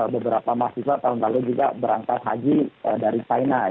beberapa mahasiswa tahun lalu juga berangkat haji dari china